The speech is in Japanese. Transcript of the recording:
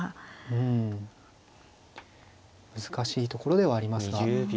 うん難しいところではありますが。